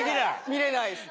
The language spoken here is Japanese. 見れないです。